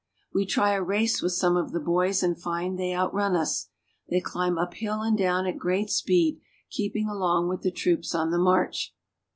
'e try a race with some of the boys and find they out in us. They climb up hill and down at great speed, iping along with the troops on the march.